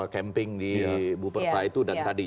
camping di buperta itu dan tadi